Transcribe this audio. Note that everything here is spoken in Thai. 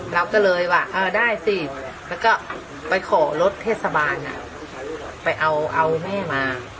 เราก็เลยว่าได้สิแล้วก็ไปขอรถเทศบาลไปเอาแม่มา